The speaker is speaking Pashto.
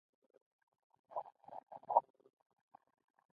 د داخلي حالتونو درک کول لرو.